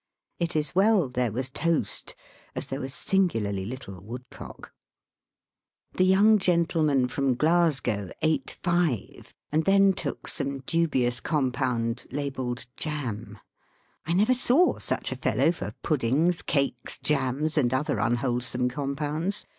It is Well there was toast as there was singularly little woodcock. The young gentleman from Glasgow ate Digitized by VjOOQIC 48 EAST BY WEST. five, and then took some dubious compound labelled "jam." I never saw such a fellow for puddings, cakes, jams, and other unwholesome compounds.